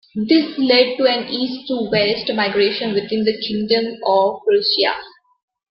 This led to an East-to-West migration within the Kingdom of Prussia.